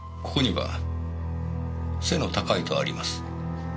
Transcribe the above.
ここには「背の高い」とあります。